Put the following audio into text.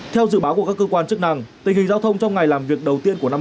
theo dự báo của các cơ quan chức năng tình hình giao thông trong ngày làm việc đầu tiên của năm